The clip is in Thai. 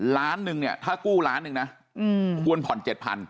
ล้านหนึ่งเนี่ยถ้ากู้ล้านหนึ่งนะควรผ่อน๗๐๐